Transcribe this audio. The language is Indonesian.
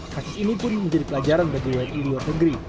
kasus ini pun menjadi pelajaran bagi wni luar negeri